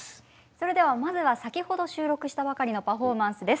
それではまずは先ほど収録したばかりのパフォーマンスです。